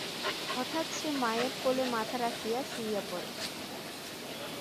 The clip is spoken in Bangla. হঠাৎ সে মায়ের কোলে মাথা রাখিয়া শূইয়া পড়ে।